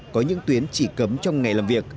có những tuyến chỉ cấm trong ngày làm việc